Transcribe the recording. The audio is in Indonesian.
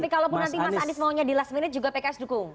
tapi kalaupun nanti mas anies maunya di last minute juga pks dukung